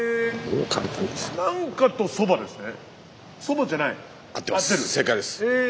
何かとそばですね？